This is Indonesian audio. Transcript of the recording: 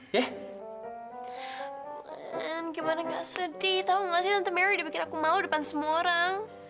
glenn gimana gak sedih tau gak sih tante mary dibikin aku malu depan semua orang